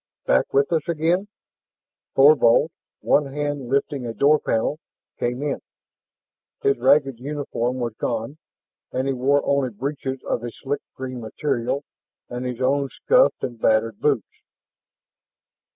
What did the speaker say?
"Back with us again?" Thorvald, one hand lifting a door panel, came in. His ragged uniform was gone, and he wore only breeches of a sleek green material and his own scuffed and battered boots.